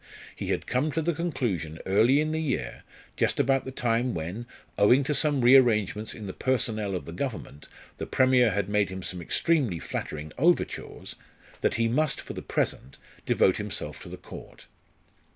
He had come to the conclusion early in the year, just about the time when, owing to some rearrangements in the personnel of the Government, the Premier had made him some extremely flattering overtures, that he must for the present devote himself to the Court.